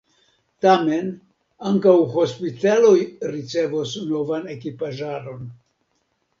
Tamen ankaŭ hospitaloj ricevos novan ekipaĵaron.